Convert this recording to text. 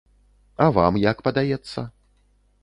А вам як падаецца?